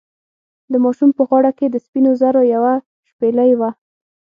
د ماشوم په غاړه کې د سپینو زرو یوه شپیلۍ وه.